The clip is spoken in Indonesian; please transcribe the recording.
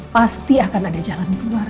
pasti akan ada jalan keluar